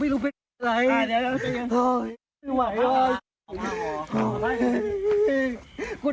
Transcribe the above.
พี่ผมเป็นลูกปู่